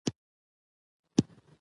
دواړه به هر سهار ښوونځي ته تلې